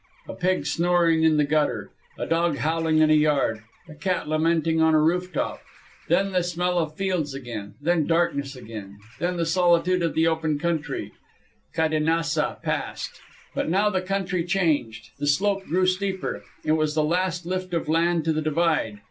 A pig snoring in the gutter, a dog howling in a yard, a cat lamenting on a rooftop. Then the smell of fields again. Then darkness again. Then the solitude of the open country. Cadenassa past. But now the country changed. The slope grew steeper; it was the last lift of land to the divide.